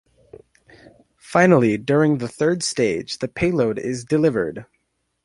Finally, during the third stage, the payload is delivered.